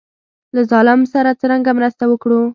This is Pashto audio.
له ظالم سره څرنګه مرسته وکړو.